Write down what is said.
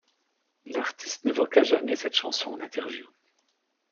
L'artiste n'évoqua jamais cette chanson en interview.